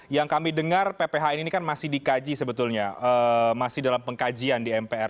yang kami dengar pphn ini kan masih dikaji sebetulnya masih dalam pengkajian di mpr